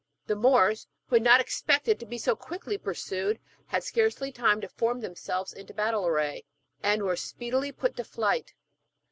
The Moors, who had not expected to be so quickly pursued, had scarcely time to form themselves into battle array, and were speedily put to flight.